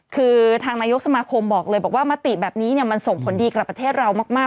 คือทางนายกสมาคมบอกเลยบอกว่ามติแบบนี้มันส่งผลดีกับประเทศเรามาก